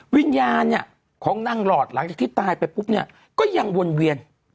วิญญาณของนางรอดหลังจากที่ตายไปปุ๊บก็ยังวนเวียน